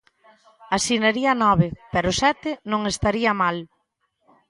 Asinaría nove pero sete non estaría mal.